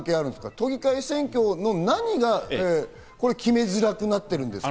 都議会選挙の何が決めづらくなってるんですか？